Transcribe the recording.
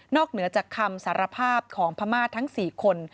เหนือจากคำสารภาพของพม่าทั้ง๔คน